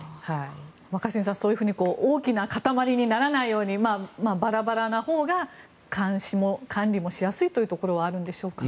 若新さん、そういうふうに大きな固まりにならないようにバラバラなほうが監視も管理もしやすいというところはあるんでしょうかね？